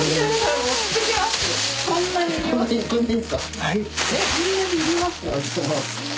はい。